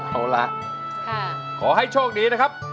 เอาล่ะขอให้โชคดีนะครับ